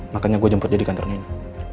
jadi saya mengambil elsa di kantor nino